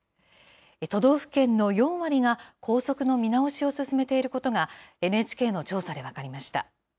都道府県の４割が校則の見直しを進めていることが、ＮＨＫの調査で分かりました。